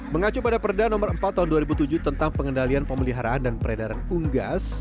mengacu pada perda no empat tahun dua ribu tujuh tentang pengendalian pemeliharaan dan peredaran unggas